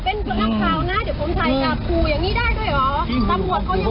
เออเป็นกำลังข่าวนะเดี๋ยวผมถ่ายกับคู่อย่างงี้ได้ด้วยเหรอ